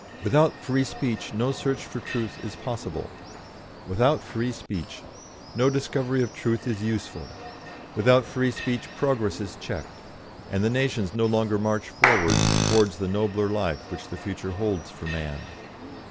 Without free speech no search for Truth is possible; without free speech no discovery of Truth is useful; without free speech progress is checked, and the nations no longer march forward towards the nobler life which the future holds for man.